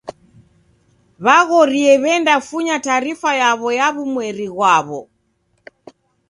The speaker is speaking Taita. W'aghorie w'endafunya taarifa yaw'o ya w'umweri ghwaw'o.